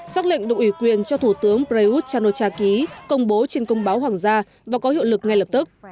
xác lệnh được ủy quyền cho thủ tướng prayuth chanuchaki công bố trên công báo hoàng gia và có hiệu lực ngay lập tức